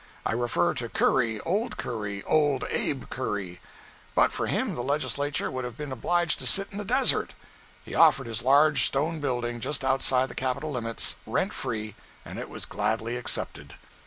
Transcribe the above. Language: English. I refer to "Curry—Old Curry—Old Abe Curry." But for him the legislature would have been obliged to sit in the desert. He offered his large stone building just outside the capital limits, rent free, and it was gladly accepted.